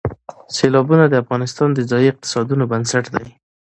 سیلابونه د افغانستان د ځایي اقتصادونو بنسټ دی.